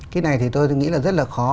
cái này thì tôi nghĩ là rất là khó